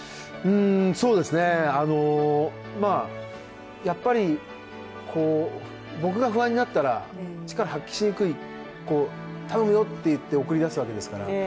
そうですね、やっぱり僕が不安になったら力発揮しにくい、頼むよと言って送り出すわけですから。